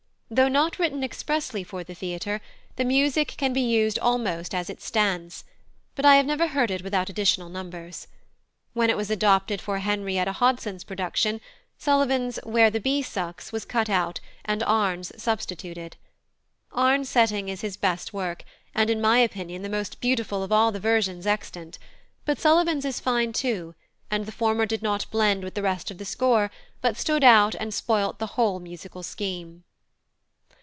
Though not written expressly for the theatre, the music can be used almost as it stands; but I have never heard it without additional numbers. When it was adopted for Henrietta Hodson's production, Sullivan's "Where the bee sucks" was cut out and Arne's substituted. Arne's setting is his best work, and, in my opinion, the most beautiful of all the versions extant; but Sullivan's is fine too, and the former did not blend with the rest of the score but stood out and spoilt the whole musical scheme.